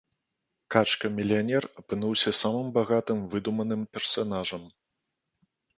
Качка-мільянер апынуўся самым багатым выдуманым персанажам.